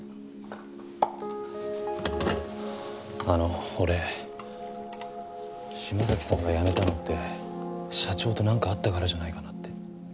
あの俺島崎さんが辞めたのって社長となんかあったからじゃないかなって。